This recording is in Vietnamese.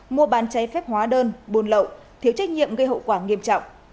mua bàn cháy phép hóa đơn buôn lậu thiếu trách nhiệm gây hậu quả nghiêm trọng